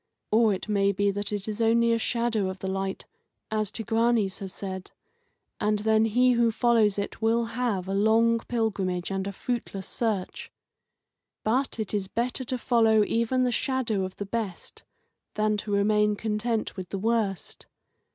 Or it may be that it is only a shadow of the light, as Tigranes has said, and then he who follows it will have a long pilgrimage and a fruitless search. But it is better to follow even the shadow of the best than to remain content with the worst.